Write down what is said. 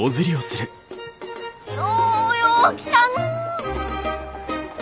ようよう来たのう！